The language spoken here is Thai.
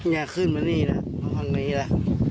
อย่าขึ้นมานี่นะ